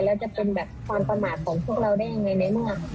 และก็จะเป็นความประมาทของพวกเราได้อย่างไร